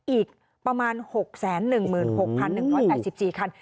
อีกประมาณ๖๑๖๑๘๔คัน